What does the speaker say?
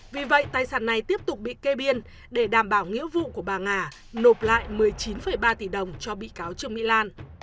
vì vậy tài sản này tiếp tục bị kê biên để đảm bảo nghĩa vụ của bà nga nộp lại một mươi chín ba tỷ đồng cho bị cáo trương mỹ lan